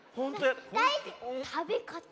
たべかた。